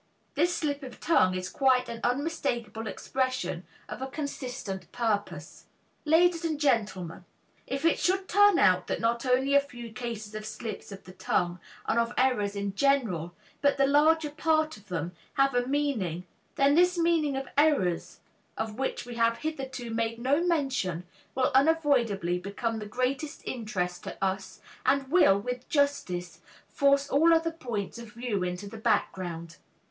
This slip of tongue is quite an unmistakable expression of a consistent purpose. Ladies and gentlemen, if it should turn out that not only a few cases of slips of the tongue and of errors in general, but the larger part of them, have a meaning, then this meaning of errors of which we have hitherto made no mention, will unavoidably become of the greatest interest to us and will, with justice, force all other points of view into the background.